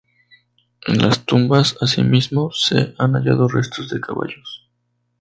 En las tumbas asimismo se han hallado restos de caballos.